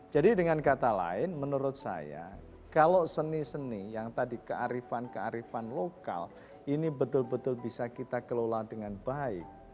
jadi dengan kata lain menurut saya kalau seni seni yang tadi kearifan kearifan lokal ini betul betul bisa kita kelola dengan baik